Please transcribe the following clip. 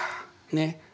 ねっ。